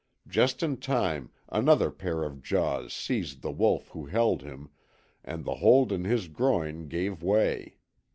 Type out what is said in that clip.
Just in time another pair of jaws seized the wolf who held him, and the hold in his groin gave way.